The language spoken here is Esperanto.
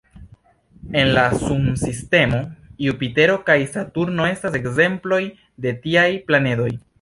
En la Sunsistemo, Jupitero kaj Saturno estas ekzemploj de tiaj planedoj.